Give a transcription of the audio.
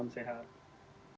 selamat sore salam sehat